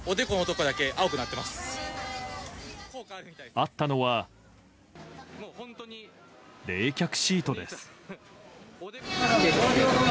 あったのは、冷却シートです。